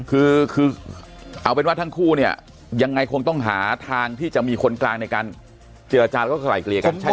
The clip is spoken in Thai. คือเอาเป็นว่าทั้งคู่เนี่ยยังไงคงต้องหาทางที่จะมีคนกลางในการเจรจาแล้วก็ไกลเกลียกันใช่ไหม